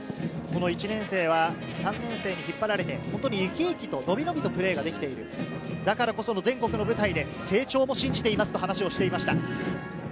１年生は３年生に引っ張られて、本当にイキイキとのびのびとプレーができている、だからこそ全国の舞台で成長も信じていますと話をしていました。